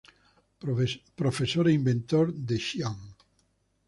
Profesor e inventor de Xi'An.